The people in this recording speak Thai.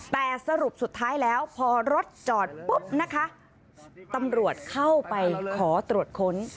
แต่สรุปสุดท้ายแล้วพอรถจอดปุ๊บนะคะตำรวจเข้าไปขอตรวจค้น